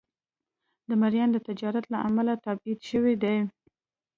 د مریانو د تجارت له امله تبعید شوی دی.